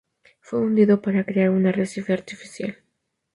Fue hundido para crear un arrecife artificial.